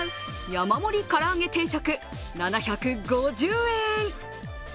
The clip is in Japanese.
山盛り唐揚げ定食７５０円。